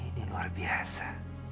ini luar biasa